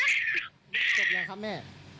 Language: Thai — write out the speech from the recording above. เก็บแล้วค่ะแม่